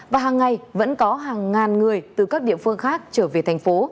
và hàng ngày vẫn có hàng ngàn người từ các địa phương khác trở về thành phố